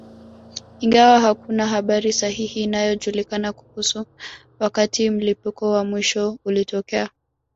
Ingawa hakuna habari sahihi inayojulikana kuhusu wakati mlipuko wa mwisho ulitokea